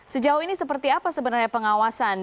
sejauh ini seperti apa sebenarnya pengawasan